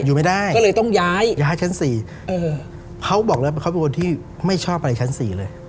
อยู่ไม่ได้ก็เลยต้องย้ายย้ายชั้นสี่เออเขาบอกแล้วเขาเป็นคนที่ไม่ชอบอะไรชั้นสี่เลย